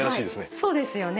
はいそうですよね。